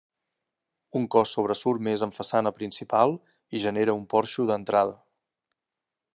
Un cos sobresurt més en façana principal i genera un porxo d'entrada.